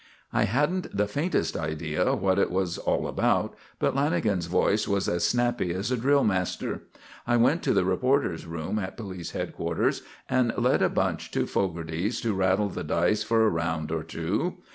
I hadn't the faintest idea what it was all about, but Lanagan's voice was as snappy as a drill master. I went to the reporter's room at police headquarters and led a bunch to Fogarty's to rattle the dice for a round or two.